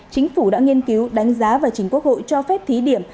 chính phủ đã nghiên cứu đánh giá và chính quốc hội cho phép thí điểm